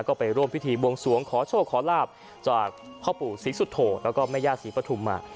ก็ไปร่วมพิธีบวงสวงขอโชคขอลาบจากพ่อปู่ศรีสุโธแล้วก็แม่ย่าศรีปฐุมมา